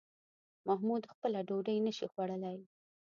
محمود خپله ډوډۍ نشي خوړلی